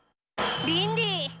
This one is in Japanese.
リンディ！